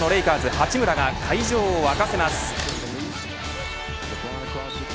八村が会場を沸かせます。